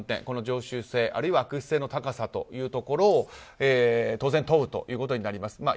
この常習性、あるいは悪質性の高さというところを当然問うということになります。